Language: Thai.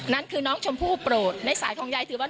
นั่นคือน้องชมพู่โปรดในสายของยายถือว่า